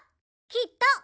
きっと！